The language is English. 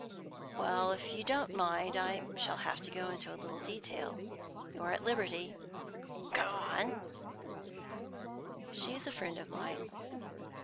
"Well, if you don't mind I shall have to go a little into detail. You are at liberty?" "Go on." "She is a friend of mine.